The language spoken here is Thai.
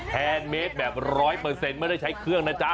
แทนเมตรแบบร้อยเปอร์เซ็นต์ไม่ได้ใช้เครื่องนะจ๊ะ